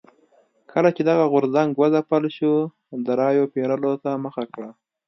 کله چې دغه غورځنګ وځپل شو د رایو پېرلو ته مخه کړه.